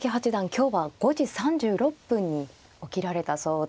今日は５時３６分に起きられたそうで。